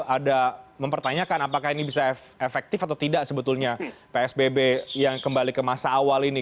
ada mempertanyakan apakah ini bisa efektif atau tidak sebetulnya psbb yang kembali ke masa awal ini